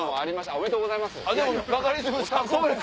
おめでとうございます。